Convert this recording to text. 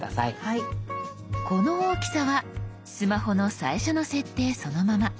この大きさはスマホの最初の設定そのまま。